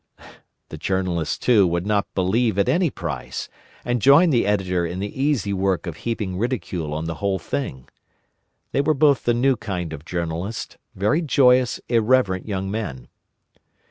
The Journalist too, would not believe at any price, and joined the Editor in the easy work of heaping ridicule on the whole thing. They were both the new kind of journalist—very joyous, irreverent young men.